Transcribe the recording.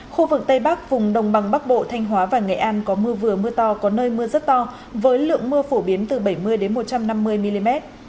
khu vực tây bắc vùng đồng bằng bắc bộ thanh hóa và nghệ an có mưa vừa mưa to có nơi mưa rất to với lượng mưa phổ biến từ bảy mươi một trăm năm mươi mm